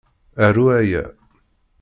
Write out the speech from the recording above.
Aru aya.